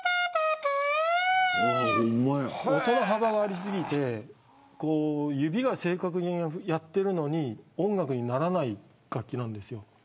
音の幅がありすぎて指が正確にやっているのに音楽にならない楽器なんです。